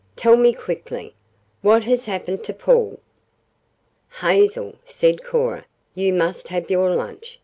"Tell me quickly. What has happened to Paul?" "Hazel," said Cora, "you must have your lunch.